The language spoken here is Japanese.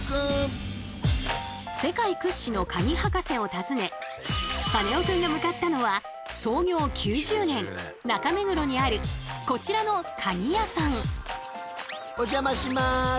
世界屈指のカギ博士を訪ねカネオくんが向かったのは創業９０年中目黒にあるこちらのカギ屋さん。